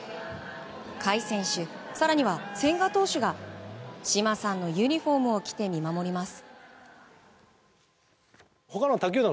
甲斐選手、更には千賀投手が嶋さんのユニホームを着て見守ります。